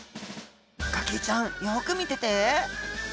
ガキィちゃんよく見てて。